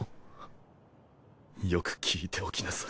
よく聴いておきなさい。